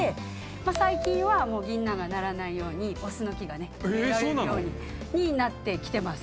最近は銀杏がならないようにオスの木が植えられるようになってきてます。